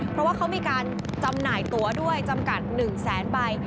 เพราะว่าเขามีการจำหน่ายตัวด้วยจำกัด๑แสนใบ